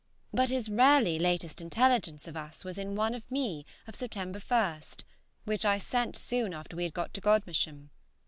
But his raly latest intelligence of us was in one from me of September 1, which I sent soon after we got to Godmersham.